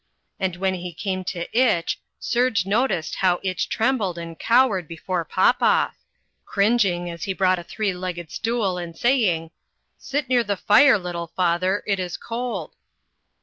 And when he came to Itch, Serge noticed how Itch trembled and cowered before Popoff, cringing as he brought a three legged stool and saying, "Sit near the fire, little father; it is cold."